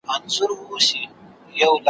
سهار دي نه سي ,